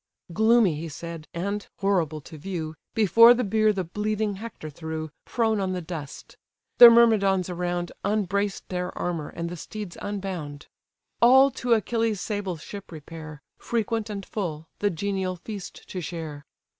Gloomy he said, and (horrible to view) Before the bier the bleeding Hector threw, Prone on the dust. The Myrmidons around Unbraced their armour, and the steeds unbound. All to Achilles' sable ship repair, Frequent and full, the genial feast to share.